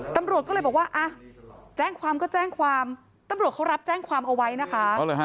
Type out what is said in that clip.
ตำรวจก็เลยบอกว่าอ่ะแจ้งความก็แจ้งความตำรวจเขารับแจ้งความเอาไว้นะคะ